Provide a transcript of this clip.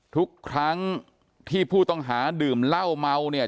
ทุกครั้งที่ผู้ต้องหาดื่มเหล้าเมาเนี่ย